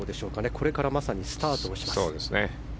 これからスタートします。